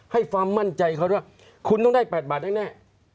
ความมั่นใจเขาด้วยคุณต้องได้๘บาทแน่